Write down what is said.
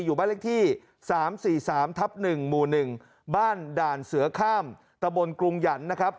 อยู่บ้านเลขที่๓๔๓ทับ๑หมู่๑บ้านด่านเสือข้ามตะบนกรุงหยันนะครับ